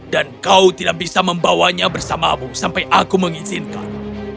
dan kau tidak bisa membawanya bersamamu sampai aku mengizinkan